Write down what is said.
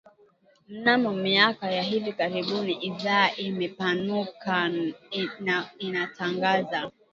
Mnamo miaka ya hivi karibuni idhaa imepanuka na inatangaza